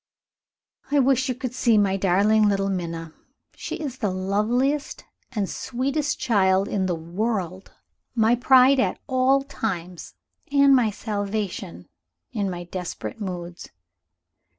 "I wish you could see my darling little Minna; she is the loveliest and sweetest child in the world my pride at all times, and my salvation in my desperate moods.